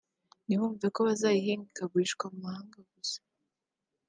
ntibumve ko bazayihinga ikagurishwa mu mahanga gusa